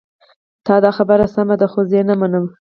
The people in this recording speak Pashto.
د تا خبره سمه ده خو زه یې نه منم